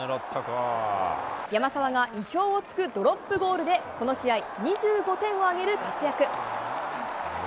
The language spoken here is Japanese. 山沢が意表をつくドロップゴールでこの試合２５点を挙げる活躍。